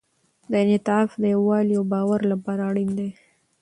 دا انعطاف د یووالي او باور لپاره اړین دی.